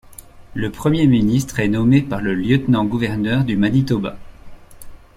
Le premier ministre est nommé par le lieutenant-gouverneur du Manitoba.